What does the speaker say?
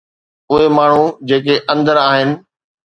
اهي ماڻهو جيڪي اندر آهن.